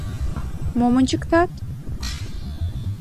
— Мом ончыктат?